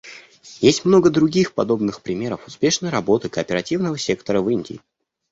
Есть много других подобных примеров успешной работы кооперативного сектора в Индии.